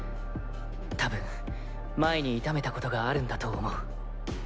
多分前に痛めたことがあるんだと思う。